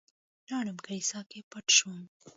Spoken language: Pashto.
لاړم کليسا کې پټ شوم.